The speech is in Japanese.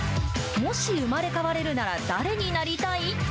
「もし生まれ変われるなら誰になりたい？」